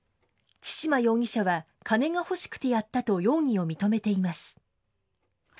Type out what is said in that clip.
千島容疑者は、金が欲しくてやったと容疑を認めています。